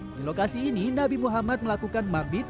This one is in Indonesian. di lokasi ini nabi muhammad melakukan mabit